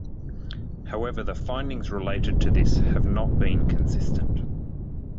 However the findings related to this have not been consistent.